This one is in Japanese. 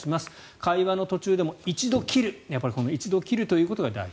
会話の途中でも一度切るということが大事。